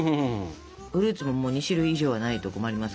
フルーツも２種類以上はないと困ります。